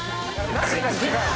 何が違うの？